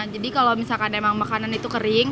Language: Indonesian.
jadi kalau misalkan emang makanan itu kering